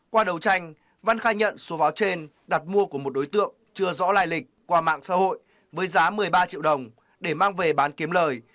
qua đấu tranh văn khai nhận số pháo trên đặt mua của một đối tượng chưa rõ lại lịch qua mạng xã hội với giá một mươi ba triệu đồng để mang về bán kiếm lời